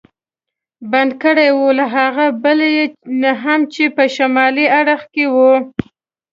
بند کړی و، له هغه بل یې هم چې په شمالي اړخ کې و.